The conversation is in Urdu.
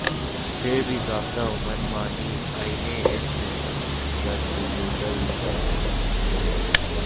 پھر بےضابطہ ومن مانی آئینی اس میں ردوبدل کرکے